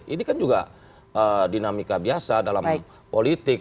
ini kan juga dinamika biasa dalam politik